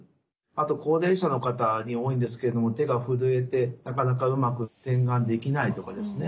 あと高齢者の方に多いんですけれども手が震えてなかなかうまく点眼できないとかですね